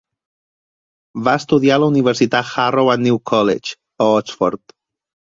Va estudiar a la universitat Harrow and New College, a Oxford.